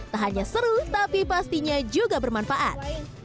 tak hanya seru tapi pastinya juga bermanfaat